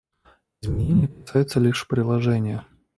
Изменения касаются лишь приложения.